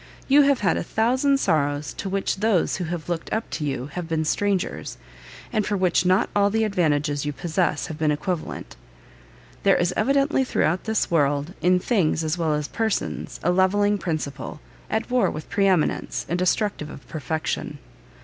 You have had a thousand sorrows to which those who have looked up to you have been strangers, and for which not all the advantages you possess have been equivalent. There is evidently throughout this world, in things as well as persons, a levelling principle, at war with pre eminence, and destructive of perfection."